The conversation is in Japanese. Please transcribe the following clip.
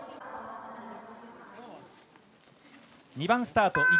２番スタート